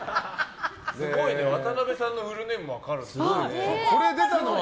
すごいね、渡邊さんのフルネーム分かるのは。